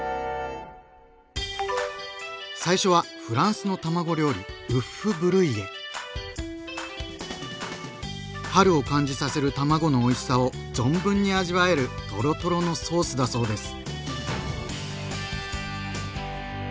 最初はフランスの卵料理春を感じさせる卵のおいしさを存分に味わえるトロトロのソースだそうです。